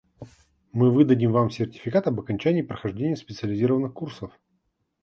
Мы выдадим вам сертификат об окончании прохождения специализированных курсов.